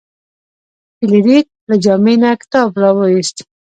فلیریک له جامې نه کتاب راویوست.